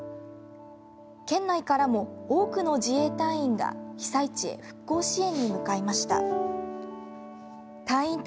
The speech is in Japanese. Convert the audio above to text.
県内からも多くの自衛隊員が被災地へ復興支援に向かいました。